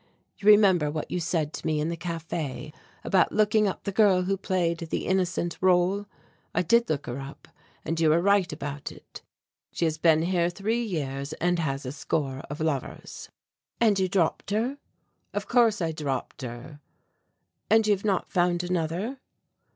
You remember what you said to me in the café about looking up the girl who played the innocent rôle? I did look her up, and you were right about it. She has been, here three years and has a score of lovers." "And you dropped her?" "Of course I dropped her." "And you have not found another?"